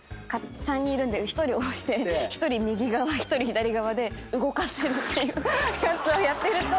３人いるんで１人押して１人右側１人左側で動かせるっていうやつをやってると。